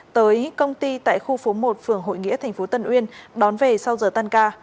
tới công ty tại khu phố một phường hội nghĩa tp tân uyên đón về sau giờ tan ca